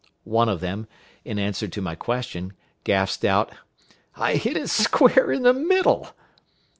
One of them, in answer to my question, gasped out, "I hit it square in the middle."